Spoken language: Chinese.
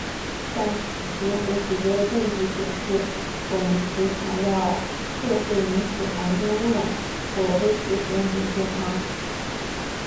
但迄今无直接的证据显示汞齐材料确会引起环境污染或危及使用者的健康。